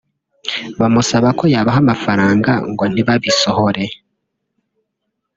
bamusaba ko yabaha amafaranga ngo ntibabisohore